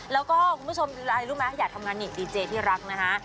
แล้วก็คุณผู้ชมอะไรรู้ไหมอยากทำงานนี่ดีเจที่รักนะฮะ